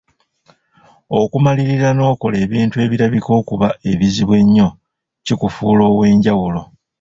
Okumalirira n'okola ebintu ebirabika okuba ebizibu ennyo kikufuula ow'enjawulo.